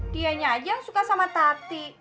dianya aja yang suka sama tati